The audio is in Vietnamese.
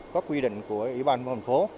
có quy định của ủy ban phòng